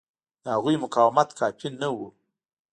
د هغوی مقاومت کافي نه و.